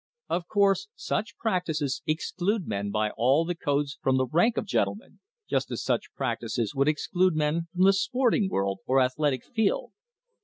Of course such practices exclude men by all the codes from the rank of gentle men, just as such practices would exclude men from the sport ing world or athletic field.